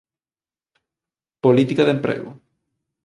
Política de emprego